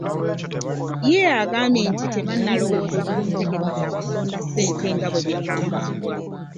Ye agambye nti tebannalowooza ku ntegeka za kusonda ssente nga bwe bitambuzibwa.